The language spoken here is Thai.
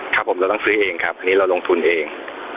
ครับผมเราต้องซื้อเองครับอันนี้เราลงทุนเอง